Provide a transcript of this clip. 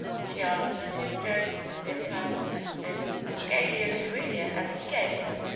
She answered his jokes and impertinences as gaily and freely as he gave them.